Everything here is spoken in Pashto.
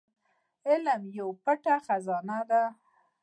علم يوه پټه خزانه ده.